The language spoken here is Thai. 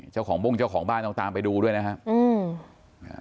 เจ้าของบุ้งเจ้าของบ้านต้องตามไปดูด้วยนะครับ